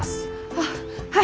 あっはい！